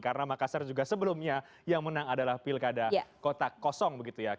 karena makassar juga sebelumnya yang menang adalah pilkada kotak kosong begitu ya